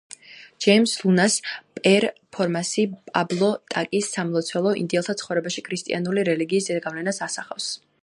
ჯეიმს ლუნას პერფორმანსი „პაბლო ტაკის სამლოცველო“ ინდიელთა ცხოვრებაში ქრისტიანული რელიგიის ზეგავლენას ასახავს.